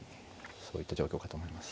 そういった状況かと思います。